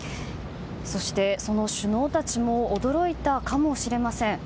そして、その首脳たちも驚いたかもしれません。